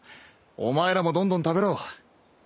お前らもどんどん食べろ。